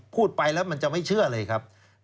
พูดไปแล้วมันจะไม่เชื่อเลยครับ